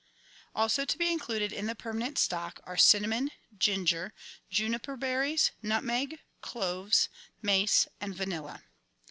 Also to be included in the permanent stock are : cinnamon, ginger, juniper berries, nutmeg, cloves, mace, and vanilla.